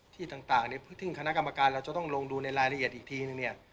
ที่ต่างถึงคณะกรรมการเราจะต้องลงดูในรายละเอียดอีกทีนึงเนี่ย